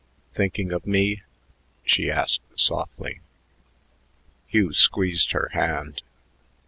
"Thinking of me?" she asked softly. Hugh squeezed her hand.